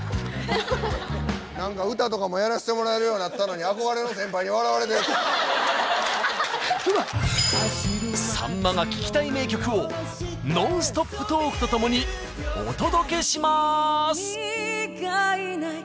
何か歌とかもやらしてもらえるようになったのにさんまが聴きたい名曲をノンストップトークとともにお届けします！